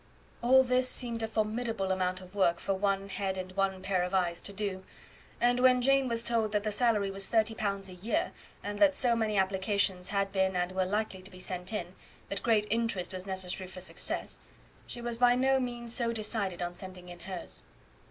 All this seemed a formidable amount of work for one head and one pair of eyes to do; and when Jane was told that the salary was 30 pounds a year, and that so many applications had been and were likely to be sent in, that great interest was necessary for success, she was by no means so decided on sending in hers.